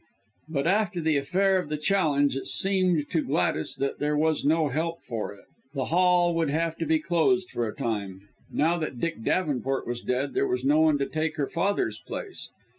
But after the affair of the challenge, it seemed to Gladys that there was no help for it the Hall would have to be closed for a time. Now that Dick Davenport was dead, there was no one to take her father's place.